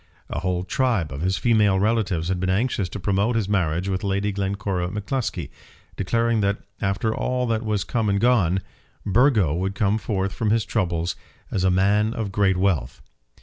A whole tribe of his female relatives had been anxious to promote his marriage with Lady Glencora M'Cluskie, declaring that, after all that was come and gone, Burgo would come forth from his troubles as a man of great wealth.